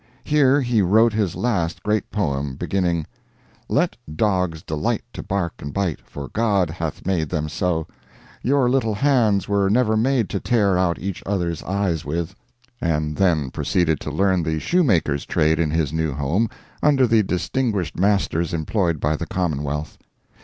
Here he wrote his last great poem, beginning: "Let dogs delight to bark and bite, For God hath made them so— Your little hands were never made To tear out each other's eyes with—" and then proceeded to learn the shoemaker's trade in his new home, under the distinguished masters employed by the commonwealth.